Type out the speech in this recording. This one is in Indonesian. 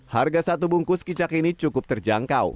harga satu bungkus kicak ini cukup terjangkau